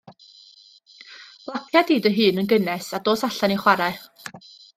Lapia di dy hun yn gynnes a dos allan i chwarae.